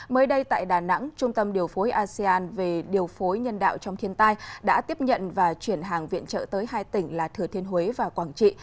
mới đây tại đà nẵng trung tâm điều phối asean về điều phối nhân đạo trong thiên tai đã tiếp nhận và chuyển hàng viện trợ tới hai tỉnh là thừa thiên huế và quảng trị